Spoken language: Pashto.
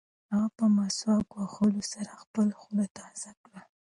هغه په مسواک وهلو سره خپله خوله تازه کړه.